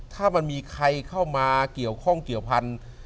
ถ้ามันมีใครเข้ามาเกี่ยวข้องเกี่ยวพันธุ์